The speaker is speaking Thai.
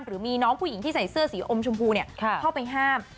หรือมีน้องผู้หญิงที่ใส่เสื้อสีอมชมพูเข้าไปห้าม